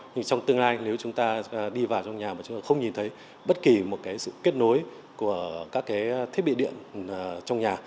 nhưng trong tương lai nếu chúng ta đi vào trong nhà mà chúng ta không nhìn thấy bất kỳ một cái sự kết nối của các cái thiết bị điện trong nhà